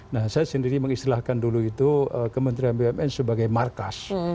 nah saya sendiri mengistilahkan dulu itu kementerian bumn sebagai markas